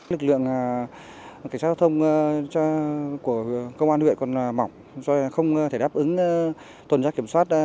lực lượng cảnh sát giao thông của công an huyện còn mỏng do không thể đáp ứng tuần tra kiểm soát